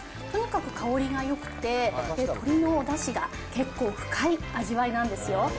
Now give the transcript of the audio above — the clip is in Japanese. とにかく香りがよくて、鶏のおだしが結構深い味わいなんですよ。